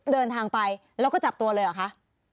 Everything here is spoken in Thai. เดินทางไปแล้วก็จับตัวเลยเหรอคะ